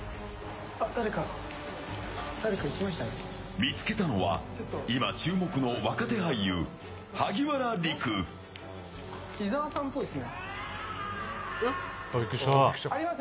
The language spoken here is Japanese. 見つけたのは今、注目の若手俳優伊沢さんっぽいすね。